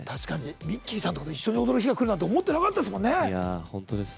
ミッキーさんと一緒に踊る日が来るなんて思ってなかったですもんね。